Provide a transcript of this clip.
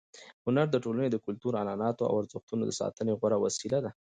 هنر د ټولنې د کلتور، عنعناتو او ارزښتونو د ساتنې غوره وسیله ده.